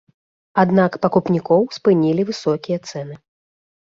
Аднак пакупнікоў спынілі высокія цэны.